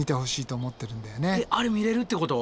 あれ見れるってこと？